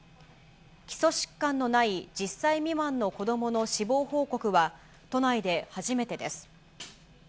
基礎疾患のない１０歳未満の子どもの死亡報告は、都内で初めてです。